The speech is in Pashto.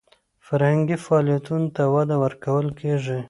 فرهنګي فعالیتونو ته وده ورکول کیږي.